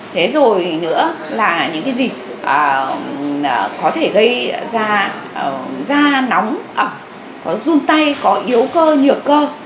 thế rồi nữa là những cái dịp có thể gây ra da nóng ẩm có run tay có yếu cơ nhược cơ